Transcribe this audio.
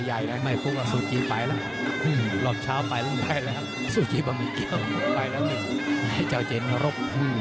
วันนี้ในเพื้อคายส